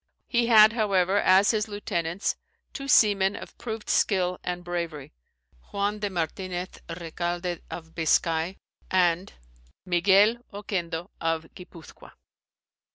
He had, however, as his lieutenants, two sea men of proved skill and bravery, Juan de Martinez Recalde of Biscay, and Miguel Orquendo of Guipuzcoa.